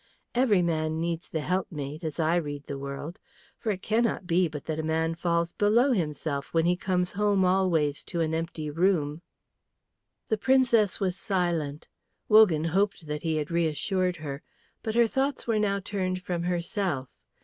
Every man needs the helpmate, as I read the world. For it cannot but be that a man falls below himself when he comes home always to an empty room." The Princess was silent. Wogan hoped that he had reassured her. But her thoughts were now turned from herself.